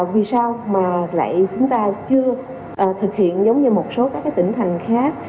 vì sao mà lại chúng ta chưa thực hiện giống như một số các tỉnh thành khác